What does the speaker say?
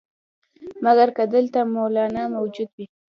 مګر که دلته مولنا موجود وي.